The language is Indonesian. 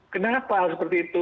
kenapa seperti itu